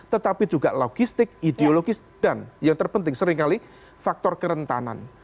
tetapi juga logistik ideologis dan yang terpenting seringkali faktor kerentanan